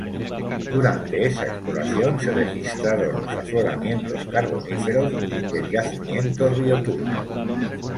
Durante esa exploración se registraron los afloramientos carboníferos del yacimiento Río Turbio.